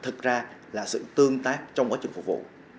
thực ra là sự tương tác trong quá trình phục vụ